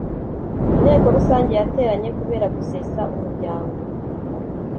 inteko rusange yateranye kubera gusesa umuryango